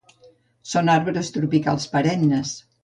Són arbres tropicals perennes.